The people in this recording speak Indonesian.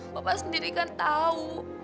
papa sendiri kan tau